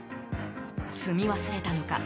積み忘れたのか